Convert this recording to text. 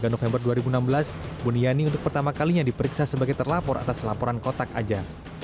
dua puluh november dua ribu enam belas buniani untuk pertama kalinya diperiksa sebagai terlapor atas laporan kotak aja